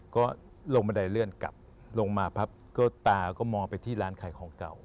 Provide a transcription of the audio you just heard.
ก็ลงบันไดเลื่อนกลับลงมาปั๊บก็ตาก็มองไปที่ร้านขายของเก่า